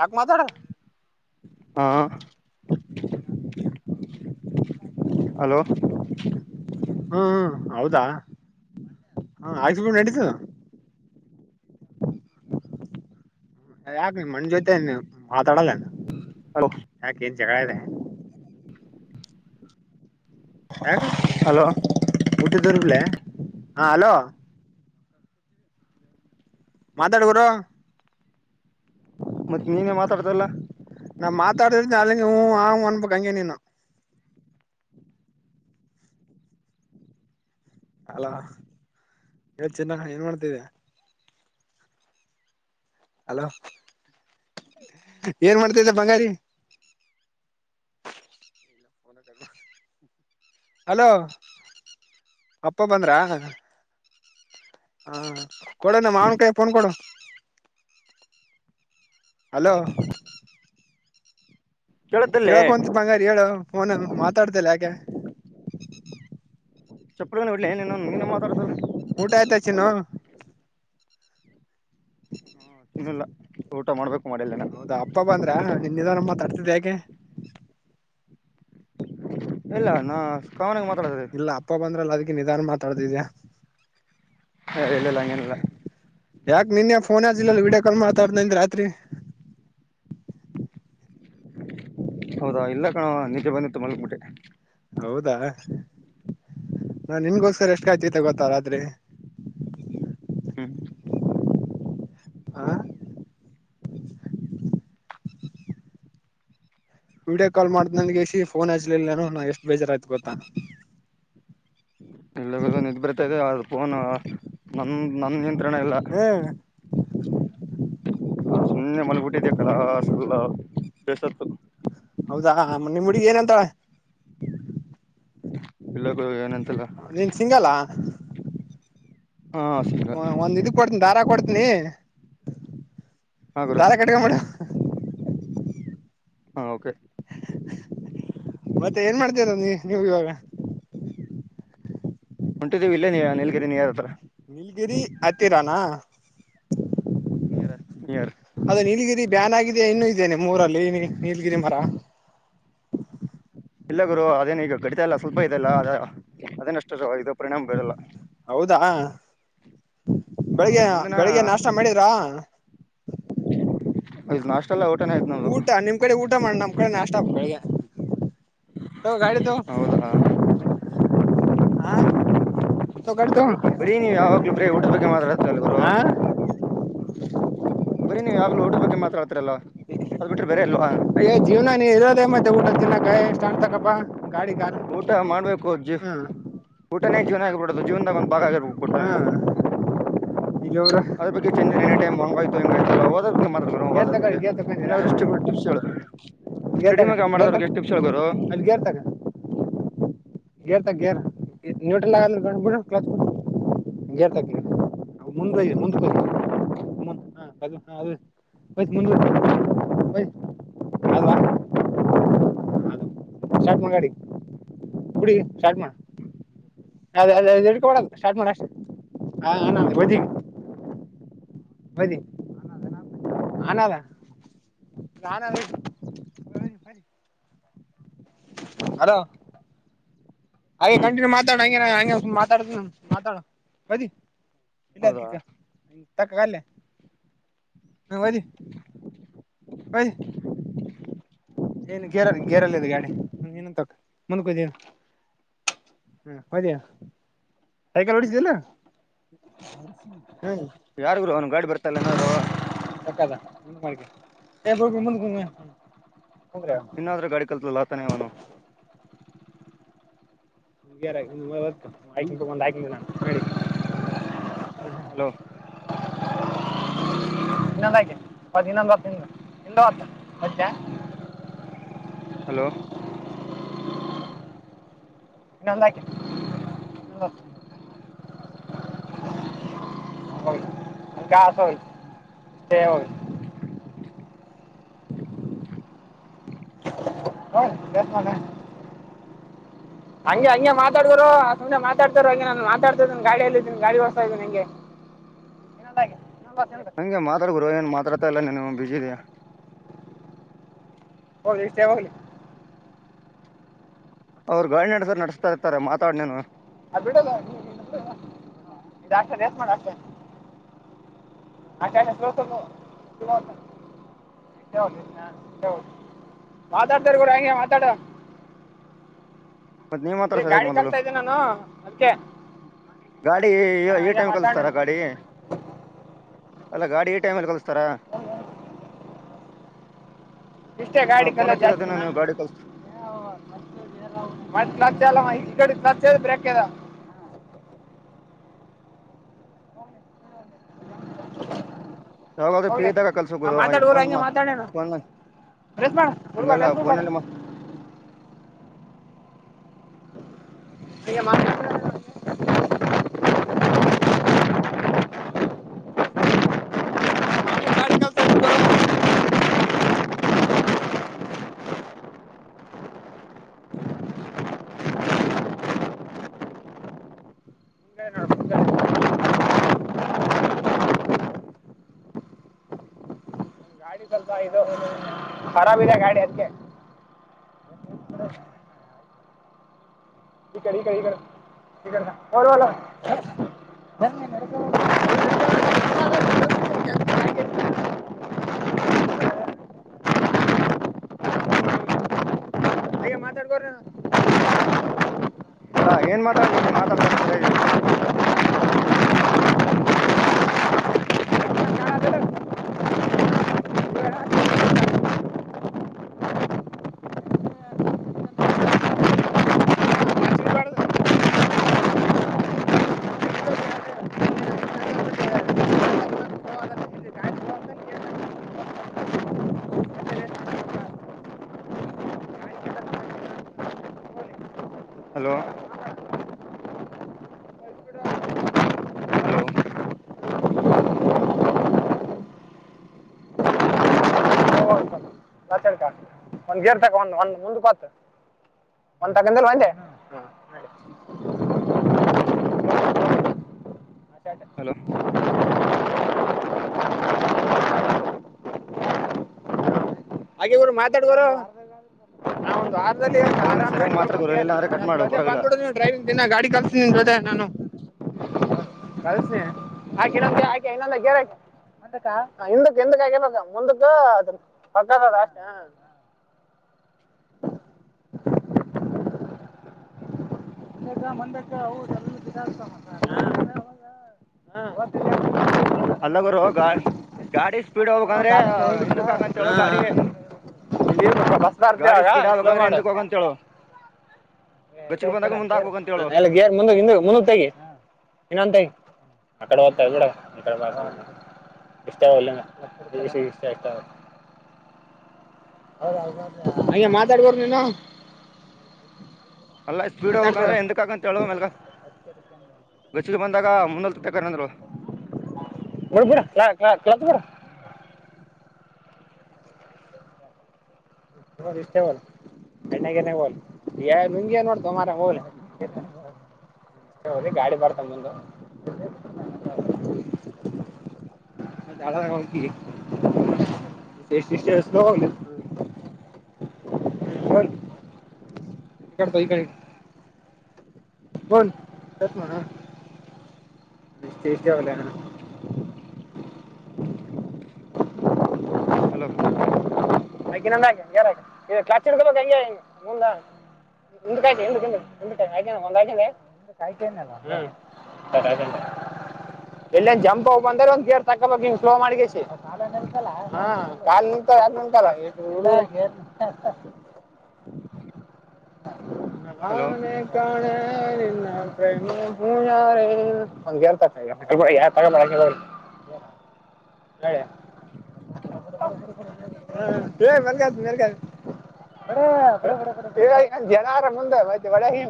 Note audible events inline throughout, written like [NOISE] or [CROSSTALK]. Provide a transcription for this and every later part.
ಯಾಕ್ ಮಾತಾಡ. ಹಾ. ಹಲೋ. ಹ್ಮ್ ಹ್ಮ ಹೌದಾ ಹ ಆಯ್ತು ಬಿಡು ನಡಿತದ. ಯಾಕ ನಿಮ್ಮ ಅಣ್ಣನ ಜೊತೆ ನೀ ಮಾತಾಡಲ್ಲ ಏನ ಹಲೋ ಯಾಕ್ ಏನ್ ಜಗಳಾಡಿ ಏನ. [INAUDIBLE] ಯಾಕ ಹಲೋ ಬುಟ್ಟಿ ದದುರ್ಗಲೆ ಹಾ ಅಲೋ. ಮಾತಾಡ್ ಬರೋ. ಮತ್ ನೀನೇ ಮಾತಾದುಲಾ. ನಾ ಮಾತಾಡಿ ನು ನಾಲಿಗೆ ಹು ಹು ಹಾ ಹು ಅನ್ಬೇಕ ಹಂಗೆ ನೀನು. ಹಲೋ ಹೇಳ ಚಿನ್ನಾ ಏನ್ ಮಾಡ್ತಿದ್ದೀಯಾ. ಹಲೋ ಏನ್ ಮಾಡ್ತಿದೀಯಾ ಬಂಗಾರಿ. ಹಲೋ ಅಪ್ಪ ಬಂದ್ರಾ. ಹಾ ಕೊಡು ನಮ್ಮ ಮಾವನ ಕೈಯಾಗ ಫೋನ್ ಕೊಡು. ಹಲೋ. ಕೇಳತ್ತಲ್ಲೇ ಕೇಳ್ಕೊಂತ್ ಬಂಗಾರಿ ಹೇಳು ಫೋನ್ ಮಾತಾಡ್ತಿಲ್ಲ ಯಾಕೆ. ಚಪ್ಪಲಿನ ಹೊಡ್ಲಿ ಏನ ನೀನು. ನೀನೇ ಮಾತಾಡ್ತಲ್ಲ ಊಟ ಆಯ್ತಾ ಚಿನ್ನು. ಹಾ ಇನ್ನು ಇಲ್ಲ ಊಟ ಮಾಡ್ಬೇಕು. ಮಾಡಿಲ್ಲೇನ ಹೌದಾ ಅಪ್ಪ ಬಂದ್ರ ನಿನ್ನಿ ನಿಧಾನ ಮಾತಾಡ್ತೀದಿ ಯಾಕೆ. ಇಲ್ಲ ನಾ ಕಾಮನ್ ಆಗಿ ಮತ್. ಇಲ್ಲ ಅಪ್ಪ ಬಂದ್ರಲ್ಲ ಅದಕ್ಕೆ ನಿಧಾನ ಮಾತಾಡ್ತಿದ್ಯಾ. ಹೇ ಇಲ್ಲ ಇಲ್ಲ ಹಂಗೇನಿಲ್ಲ. ಯಾಕ ನಿನ್ಯ ಫೋನ್ ಹಚ್ಚಿಲಲ್ಲ ವೀಡಿಯೋ ಕಾಲ್ ಮಾತಾಡ್ತಾನ ಅಂದಿ ರಾತ್ರಿ. ಹೌದಾ ಇಲ್ಲ ಕಣೋ ನಿದ್ದಿ ಬಂದಿತ್ತು ಮಲಗಿ ಬಿಟ್ಟೆ. ಹೌದಾ ನಾ ನಿನಗ ಗೋಸ್ಕರ ಎಷ್ಟ. ಕಾಯುತ್ತಿದ್ದೆ ಗೊತ್ತಾ ರಾತ್ರಿ. ಹ್ಮ್. ಆ. ವೀಡಿಯೊ ಕಾಲ್ ಮಾಡ್ತೀನಿ ಅಂದ್ ಕೇಸಿ ಫೋನ್ ಹಚ್ಲಿಲ್ಲ ಏನೋ ನಾ ಎಷ್ಟು ಬೇಜಾರಾಯ್ತ ಗೊತ್ತಾ. ಇಲ್ಲ ಬ್ರೋ ನಿದ್ದಿ ಬರ್ತಾ ಇದೆ ಅದ ಫೋನ್ ನನ್ ನನ್. ಹಿಡಿದರನ ಎಲ್ಲಾ. ಹ್ಮ್ ಸುಮ್ಮ್ನೆ ಮಲಗ್ಬಿಟ್ಟಿದ್ದೆ ಕಣೋ ಸುಳ್ಳೋ ಕೇಳಸಾತದ. ಹೌದಾ ನಿಮ್ಮ ಹುಡ್ಗಿ ಏನ ಅಂತಾಳ. ಇಲ್ಲ ಕಣೋ ಏನ್ ಅಂತಿಲ್ಲ. ನೀನ್ ಸಿಂಗಲ್ಲಾ ಸಿಂಗಲ್ ಹ ಒಂದ್ ಇದ ಕೊಡ್ತನಿ ದಾರ ಕೊಡ್ತನಿ. ಹಾ ಗುರು ದಾರ ಕಟ್ಕೊಂಡ್ ಬಿಡು. ಹಾ ಓಕೆ. ಮತ್ತೆ ಏನ್ ಮಾಡ್ತೀರ ನೀ ನೀವು ಇವಾಗ. ಹೊಂಟಿದ್ದೀವಿ ಇಲ್ಲೇ ನೀ ನೀಲಗಿರಿ ನಿಯರ್ ಹತ್ತಿರ. ನೀಲಗಿರಿ ಹತ್ತಿರ ನಾ. ನೀರ. ಅದ ನೀಲಗಿರಿ ಬ್ಯಾನ್ ಆಗಿದ್ಯಾ ಇನ್ನು. ಇದ್ದೇ ನಿಮ್ಮೂರಲ್ಲಿ ನೀಲ್ಗಿರಿ ಮರ. ಇಲ್ಲ ಗುರು ಅದೇನ ಈಗ ಕಡಿತಾ ಎಲ್ಲ ಸ್ವಲ್ಪ ಇದೆಲ್ಲ ಅ ಅದೇನ ಅಷ್ಟು ಇದು ಪರಿಣಾಮ ಬೀರಲ್ಲ. ಹೌದಾ ಆ, ಬೆಳಿಗ್ಗೆ ಬೆಳಿಗ್ಗೆ ನಾಷ್ಟ ಮಾಡಿರಾ. ಅದ ನಾಷ್ಟ ಅಲ್ಲ ಒಟ್ಟ. ಊಟ ನಿಮ್ ಕಡೆ ಊಟ ಮಾಡ ನಮ್ ಕಡೆ ನಾಷ್ಟ ಆದ ಬೆಳಿಗ್ಗೆ. ತೋ ಗಾಡಿ ತೊಗೊ ಹೌದಾ ಆ. ಬರೀ ನೀವ್ ಯಾವಾಗ್ಲು ಬರೇ ಊಟದ ಬಗ್ಗೆ ಮಾತಾಡ್ತೀಯಲ್ಲ ಗುರು. ಹಾ ಬರೀ ನೀವು ಯಾವಾಗಲೂಊಟದ ಬಗ್ಗೆ ಮಾತಾಡ್ತಿರಲ್ಲ. ಅದ್ ಬಿಟ್ರ, ಅಯ್ಯ ಜೀವನ ನೀ ಇರೋದೇ ಮತ್ತೆ ಊಟ ತಿನಕ್ಕ ಕಾಯ ಇಷ್ಟ ಮಾಡ್ತಕ್ಕಪ್ಪಾ. ಊಟ ಮಾಡ್ಬೇಕು ಜ ಊಟನೇ ಜೀವನ್ ಆಗ್ಬಿಡದು ಜೀವನದಾಗ ಒಂದ ಹ್ಮ್ ಇಲ್ಲಿವರು [UNINTELLIGIBLE] ಅದ್ರಗ್ ಚಂದ ಎನಿ ಟೈಮ್ ಹಂಗಯ್ತು ಹಿಂಗ ಆಯ್ತಲ್ಲ ಹೋದ್ರ ಬಗ್ಗೆ ಮಾ ಗೇರ್ ತಗೋ ಹೋಗೋದಾಗ ಗೇರ್ ತಗೊಂಡಿರಾ ಇನ್ನಾದ್ರ ಎಷ್ಟು ಗೇರ್ ಸ್ಟಡಿ ತಗೋ ಮಾಗ ಗೇರ್ ಮಾಡದ್ರ ತಗೋ ಎಷ್ಟುಸ್ ಹಗರು ಅಲ್ಲಿ ಗೇರ್ ತಗೋ ಗೇರ್ ತಗ ಗೇರ್ ನ್ಯೂಟ್ರಲ್ ಆಗ ಕೊಂಡ್ ಬಿಡು ಕ್ಲ ಗೇಟ್ ತೇಗಿ ಮುಂದ ಹೋಗು ಮುಂದ [UNINTELLIGIBLE] ಅದು. ಸ್ಟಾರ್ಟ್ ಮಾಡ ಗಾಡಿ ಕುಡಿ ಸ್ಟಾರ್ಟ್ ಮಾಡ. ಅದ ಅ ಹಡ್ಕ ಕೊಡಲ್ಲ ಸ್ಟಾರ್ಟ್ ಮಾಡ್ [UNINTELLIGIBLE] ಬದಿ ಆನ್ ಆದ. ಹಲೋ, ಹಾಗೆ ಹ್ಮ್ ಕಂಟಿನ್ಯೂ ಮಾತಾಡ ಹಂಗೆ ನಾ ಹ ಮಾತಾಡತಿನಿ ಮಾತಾಡ ಬದ ಹೌದಾ [UNINTELLIGIBLE] [INAUDIBLE] ಏನು ಗೇರ ಗೇರಲ್ಲಿದೆ ಗಾಡಿ [UNINTELLIGIBLE] ಹ್ಮ್ [UNINTELLIGIBLE] ಸೈಕಲ್ ಹೊಡೀತಿಲ್ಲ ಹ್ಮ. ಯಾರಿಗರು ಅವ್ನು ಗಾಡಿ ಬರ್ತಲ್ಲ ಏನಾದ್ರು. [UNINTELLIGIBLE] ಇನ್ನಾದ್ರೂ ಗಾಡಿ ಕಲ್ತಲ್ಲ ಅಳತನೆ ಅವನು. [UNINTELLIGIBLE] ಹಲೋ, [UNINTELLIGIBLE] [INAUDIBLE] ಹಲೋ, [UNINTELLIGIBLE] [UNINTELLIGIBLE] [UNINTELLIGIBLE] [UNINTELLIGIBLE] [INAUDIBLE] ಹಂಗೆ ಹಂಗೆ ಮಾತಾಡ ಗುರು ಅಂಗೆ ಮಾತಡ್ತಾ ಇರು ಹಂಗೆ ನುತಡ್ತಾ ಇದೀ ಗಾಡಿ ಎಲ್ಲಿದ್ದೀನ ಗಾಡಿಓಸ್ತ ಇದೀನಿ ಅಂಗೆ. [INAUDIBLE] [INAUDIBLE] ಹಂಗೆ ಮಾತಾಡ್ ಗುರು ಏನ್ ಮಾತಾಡ್ತಾ ಇಲ್ಲ ನೀನು ಬಿಜಿಇದಿಯಾ. ಹೌದು ಇಷ್ಟೇ [UNINTELLIGIBLE] ಅವ್ರು ಗಾಡಿ ನಡ್ಸೂರು ನಡೆಸ್ತಾ ಇರ್ತಾರೆ ಮಾತಾಡ್ನೇನು. ಅ ಬಿಡಲ್ಲ ಇ ಆಕ್ತದೆ ಎಸ್ ಮಾಡ [UNINTELLIGIBLE] [UNINTELLIGIBLE] ಮಾತಾಡ್ತಾ ಇರು ಗುರು ಹಂಗೆ ಮಾತಾಡು. [INAUDIBLE] ನೀ ಮಾತಾಡ್ ಸರಿಯಾಗಿ ಗಾಡಿ ಮೊದಲು ಕ್ಲಸ್ತಾ ಇದೀನಿ ನಾನು ಅಷ್ಟೇ. ಗಾಡಿ ಈ ಟೈಮ್ ಮಾತಾಡ ಕಲ್ಸ್ತಾರ ಗಾಡಿ ಅಲ್ಲ ಗಾಡಿ ಈ ಟೈಮಲ್ಲಿ ಕಲ್ [UNINTELLIGIBLE] ಇಷ್ಟೇ ಗಾಡಿ ಫೋನ್ ಕಲ್ಲ ಹಚ್ಚಿರೋದೇನು ಜಾಸ್ತಿನ. ನೀವು ಗಾಡಿ ಕಲ್ಸ್ [UNINTELLIGIBLE] ಯಾವಾಗಾದ್ರೂ ಹೌಳ ಫ್ರೀ ಇದ್ದಾಗ ಕಲ್ಸು ಹ ಗುರು ಈಗ ಮಾತಾಡುವರು ಫೋನ್ ಹಂಗೆ ಮಾ ಮಾತಾಡಣ. ಫೋನ್ ಮಾ ರಸ್ ಮಾಡೇ ಬುರ್ಬಾಡ ಹಂಗಲ್ಲ ರಸ್ ಬುರ್ಬೇಡ [UNINTELLIGIBLE] ಫೋನಲ್ಲಿ ಮಾ [INAUDIBLE] ನೀ ಮಾಡ ಹೇಳ [UNINTELLIGIBLE] ಗಾಡಿ ಕೆಲಸ ಆರಾಮ ಇದೆ ಗಾಡಿ ಅದ್ಕ್ಕೆ. [UNINTELLIGIBLE] [UNINTELLIGIBLE] [INAUDIBLE] ಮಾತಾಡ್ಕೊರ [UNINTELLIGIBLE] ಅಲ್ಲಾ ಏನ್ ಮಾತಾಡ್ಲಿ ನೀವು ಮಾತಾಡ್ತಾ ಇಲ್ಲ ಸರಿ ಯಾಗಿ. ಹಲೋ ಹಲೋ [INAUDIBLE] ಒಂದಗೇರ್ತಕ್ಕ ಒಂದು ಒಂದ್ ಮುಂದ ಕೊತ್ತು. ಒಂದ್ ತಗಲ್ ಒಂದೆ ಹ್ಮ. [INAUDIBLE] ಹಲೋ. [INAUDIBLE] ಹಾಗೆ ಗುರು ಮಾತಾಡ್ ಗುರು. ಅಲ್ಲ ನೀ ಆರಾಮ ಸರಿಯಾಗಿ ಮಾತಾಡ್ ಗುರು ಇಲ್ಲ ಅಂದ್ರೆ ಕಟ್ ಮಾಡು ಪರವಾಗಿಲ್ಲ ಬ್ಬಡು ಡ್ರೈವಿಂಗ್ ದಿನ ಗಾಡಿ ಕಲ್ಿಸತೀ ಜೊದೆ ನಾನು. [INAUDIBLE] ಕಳ್ಸನಿ ಆಕೆ ಇನ್ನೊಂದ ಆಕೆ ಇನ್ನೊಂದ [UNINTELLIGIBLE] ಅದಕ್ಕ ಹಕ್ ಹಿಂದಕ್ಕ ಆಗಬೇಕ ಮುಂದಕ್ಕ. [UNINTELLIGIBLE] ಗ ಮಂದಕ್ಕೆ ಹ ಎಲ್ಲಿನ. ಅಲ್ಲ ಗರುಗ ಗಾಡಿ ಸ್ಪೀಡ್ ಹೋಗಕ್ ಅಂದ್ರೆ ಹಿಂದಕ್ಗಂತ ಹೇಳ ಹಾ, ಗಾಡಿ. ಹಾ. ಇಲ್ಲಿ ಬ- ಬಸ್ ಬರ್ತೀವಿ ಗಾಡಿ ಅವಾಗ ಸ್ಪೀಡ್ ಸ್ಲೋ ಆಗ್ಬೇಕಬೇಕಂದ್ರೆ ಮಾಡು ಎಂದಕ್ ಹೋಗಂತೇಳು. ಗೇರ್ ಮುಂದ ಮುಂದಗ್ ತೇಗಿ ಇನ್ನೊಂದ ತೆಗಿ. ಅಕಡೆ ಹೋಗಿ ಇಡ ಇಡೆಸ ಎಷ್ಟಲ್ಲಷ್ಟಷ್ಟ [UNINTELLIGIBLE] [INAUDIBLE] ಮಾತಾಡಬೇಕು ನೀನು ಅಲ್ಲಾ ಸ್ಪೀಡ್ ಮಾತಾಡ್ತಾರ ಹಬೇಕಂದ್ರೆ ಎಂದಕ್ಕಕಂತ ಹೇಳುವ ಮ್ಯಲ್ಗ. ಗಚ್ಚಿಗೆ ಬಂದಾಗ ಮುನ್ನಲ್ ತಕ್ಕಂದ್ರು. [UNINTELLIGIBLE] ತುಂಬ ಇಷ್ಟೇವಲ್ಲ. ಎಣ್ಣಗನೆೇ ಹೋಗ್ಲಿ ನಿಂಗೆ ನೋಡತ ಮಾರ ಹೋಗ್ಲಿ. ದಿ ಗಾಳಿ ಬಡಿತ ಮುಂದು [INAUDIBLE] ಎಷ್ಟಷ್ಟ [UNINTELLIGIBLE] ಒನ್ [INAUDIBLE] ಈ ಕಡೆ. ಬನ್ ಚತ್ ಮಾಡ [UNINTELLIGIBLE] ನಿಶ್ಚೇಷಾವಲ. [INAUDIBLE] ಹಲೋ ಹಕಂಗಾರ ಕಾಚಕ ಹಂಗೆ ಹೆಂಗೆ ಮುಂದ. ಮುಂದಕಕ್ಕೆ ಒಂದು ಹಾಕಿನಿ ಒಂದಾಯ್. ಸ್ಟಾರ್ಟ್ ಆಯ್ತಂತೆ ಎಲ್ಲಿಂದ ಜಂಪ್ ಹೋಗಿ ಬಂದ್ರ ಒಂದ್ ಗೇರ್ ತಕೋಬಕ್ ಸ್ಲೋ ಮಾಡಷ್ಟ ಕ. ಹೇ ಅಲ್ಲಿ ಹೊಂಟರ ಹಲೋ ನಾನೆ ಕಾಣೆ [INAUDIBLE] ನಾನ್ ಫ್ರೆಂಡ್ ಯಿಂದು ಯಾಕ್ ಆಗಲ್ಲ [INAUDIBLE] ಲೆ ಅಳಿಯ ಹೇ ಮೇಕ್ ಮೆಕ್ ಹಾಕು ಅರೆ ಜನಾರ ಮುಂದೆ ಮತ್ತೆ ಒಳಗಿ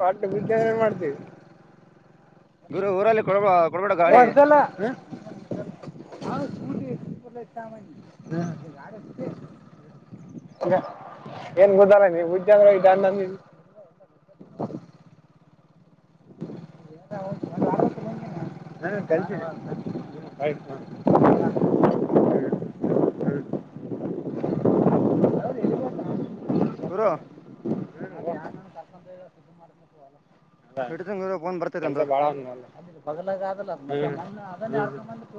ಪಾಠ ನಿದ್ದೆ ಎಲ್ಲಿ ಮಾಡ್ತೀ ಗುರು ಊರಲ್ಲಿ ಕೊಡಬ ಹೇ ಕುಶಲ ಇತಾಮ ಏನ್ ಗುದಲ್ಲ ನೀವು ಹಜೆ ಅಂದ್ರೆ್ಣಂದ [INAUDIBLE] [INAUDIBLE] [INAUDIBLE] ನಾ ಏನ್ ಕೇಳ್ತೀನಿ ಏನು ಹೇ ಹೂ ಗುರು ಹ್ಮ್, ಅದ ಇಡ್ತೀನಿ ಗುರು ಫೋನ್ ಬರ್ತೈತೆ ಒಂದು ಕೆಲ್ಸ ಬಾಳ ಆದ ಭಾವನಾ